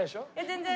全然。